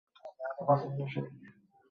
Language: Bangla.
তুমি কি কখনো শোন?